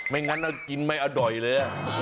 งั้นกินไม่อร่อยเลย